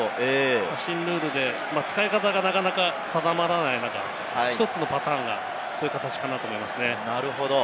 新ルールで使い方がなかなか定まらない中で、１つのパターンが、そういう形かなと思いますね。